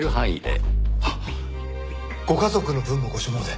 あっご家族の分もご所望で。